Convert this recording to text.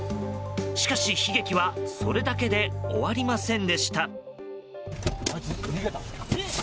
しかし、悲劇はそれだけで終わりませんでした。